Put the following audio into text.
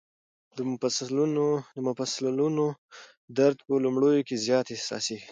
د مفصلونو درد په لومړیو کې زیات احساسېږي.